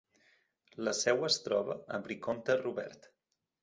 La seu es troba a Brie-Comte-Robert.